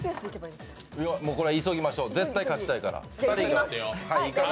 これは急ぎましょう絶対勝ちたいから。